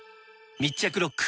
密着ロック！